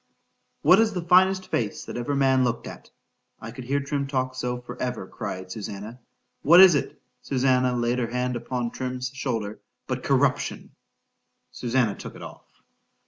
— —What is the finest face that ever man looked at!—I could hear Trim talk so for ever, cried Susannah,—what is it! (Susannah laid her hand upon Trim's shoulder)—but corruption?——Susannah took it off.